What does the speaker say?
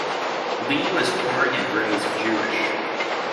Lee was born and raised Jewish.